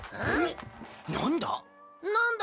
なんだ？